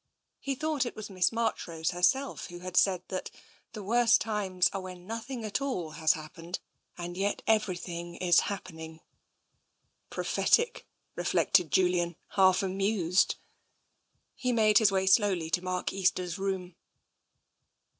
He thought it was Miss Marchrose herself who had said that " the worst times are when nothing at all has happened, and yet everything is hap pening." Prophetic, reflected Julian, half amused. He made his way slowly to Mark Easter's room.